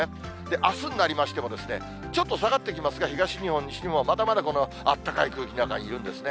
あすになりましても、ちょっと下がってきますが、東日本、西日本はまだまだこのあったかい空気にいるんですね。